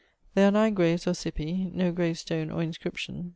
There are nine graves or cippi, no gravestone or inscription.